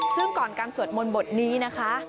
ซึ่งก่อนการสวดมนต์บทนี้นะคะ